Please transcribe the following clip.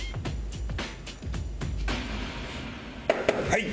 はい。